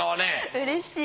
うれしい。